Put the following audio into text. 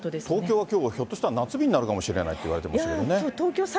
東京はきょう、ひょっとしたら夏日になるかもしれないっていそう、東京